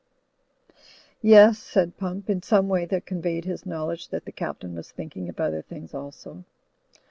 '*Yes," said Pump, in some way that conveyed his knowledge that the Captain was thinking of other things also.